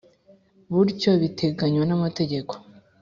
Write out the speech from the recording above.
Buryo biteganywa n’amategeko.